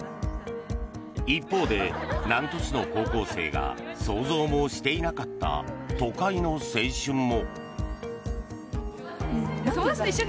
一方で、南砺市の高校生が想像もしていなかった都会の青春も。